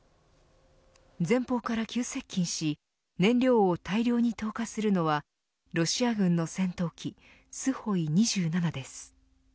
前方から急接近し燃料を大量に投下するのはロシア軍の戦闘機スホイ２７です。